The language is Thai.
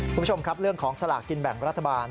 คุณผู้ชมครับเรื่องของสลากกินแบ่งรัฐบาล